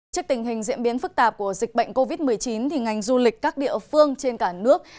trước tình hình diễn biến phức tạp của dịch bệnh covid một mươi chín ngành du lịch các địa phương trên cả nước